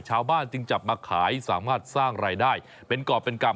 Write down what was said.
ชาวบ้านจึงจับมาขายสามารถสร้างรายได้เป็นกรอบเป็นกรรม